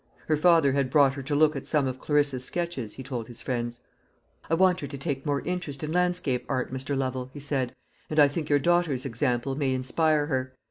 Her father had brought her to look at some of Clarissa's sketches, he told his friends. "I want her to take more interest in landscape art, Mr. Lovel," he said, "and I think your daughter's example may inspire her.